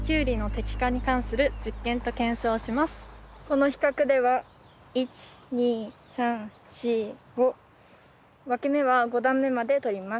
この比較では１２３４５わき芽は５段目まで取ります。